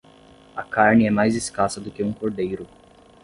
A carne é mais escassa do que um cordeiro.